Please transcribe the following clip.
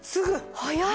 早い！